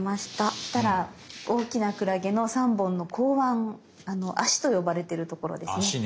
そしたら大きなクラゲの３本の口腕足と呼ばれてるところですね。